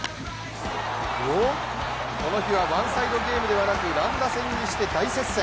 この日はワンサイドゲームではなく乱打戦にして、大接戦。